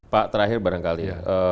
pak terakhir barangkali